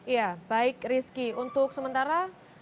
ya baik rizky untuk sementara